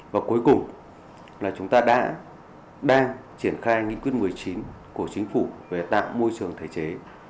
và cuối cùng là chúng ta đã đang triển khai nghị quyết một mươi chín của chính phủ về tạo môi trường thể chế